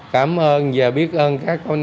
cảm ơn và biết ơn các